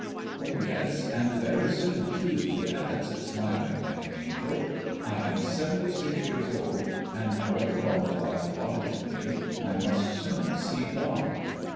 'Yes, and very soon too,' he adds, smiling like an angel. 'I am seventy six years old, and however long the life allotted to me, I must soon see God.'